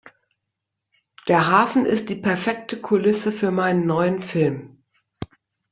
Der Hafen ist die perfekte Kulisse für meinen neuen Film.